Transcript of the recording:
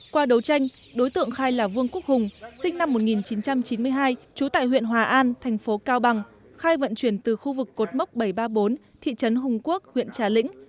qua đấu tranh đối tượng khai là vương quốc hùng sinh năm một nghìn chín trăm chín mươi hai trú tại huyện hòa an thành phố cao bằng khai vận chuyển từ khu vực cột mốc bảy trăm ba mươi bốn thị trấn hùng quốc huyện trà lĩnh